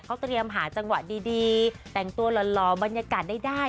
เขาเตรียมหาจังหวะดีแต่งตัวหล่อบรรยากาศได้